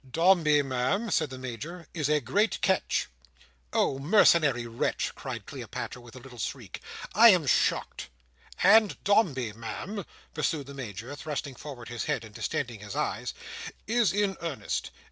"Dombey, Ma'am," said the Major, "is a great catch." "Oh, mercenary wretch!" cried Cleopatra, with a little shriek, "I am shocked." "And Dombey, Ma'am," pursued the Major, thrusting forward his head, and distending his eyes, "is in earnest.